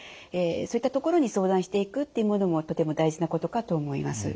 そういったところに相談していくっていうものもとても大事なことかと思います。